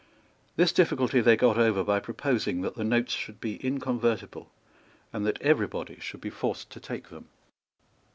This difficulty they got over by proposing that the notes should be inconvertible, and that every body should be forced to take them.